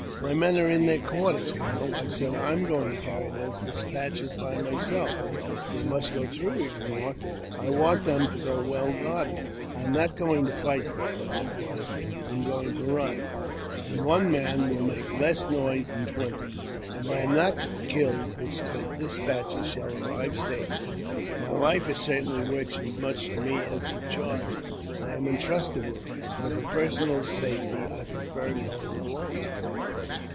" My men are in their quarters, colonel," I said. "la; going to carry those despatches by myself." " They must go through," he remarked, " and I want the to go well guarded." " I am not going to fight, colonel," I replied, *' I am goi to run ; and one man will make less noise than twenty. I; I am not killed the despatches shall arrive safe; my life i certainly worth as much to me as the charge I am intrusted with, and for personal safety I prefer going alone."